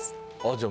じゃあ